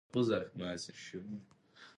مشران آرام پریږده! د مشرانو سره اوږدې خبرې مه کوه